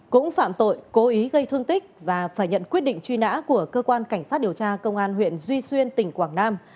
cũng phạm tội cố ý gây thương tích và phải nhận quyết định truy nã của cơ quan cảnh sát điều tra công an huyện duy xuyên tỉnh quảng nam